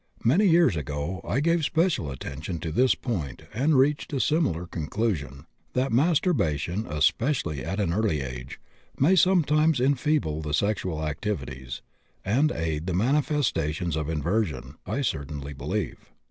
Many years ago I gave special attention to this point and reached a similar conclusion. That masturbation, especially at an early age, may sometimes enfeeble the sexual activities, and aid the manifestations of inversion, I certainly believe.